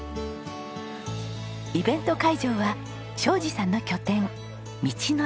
イベント会場は将次さんの拠点道の駅。